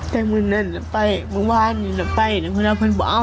แต่เมื่อนั้นจะไปเมื่อวานจะไปนะครับ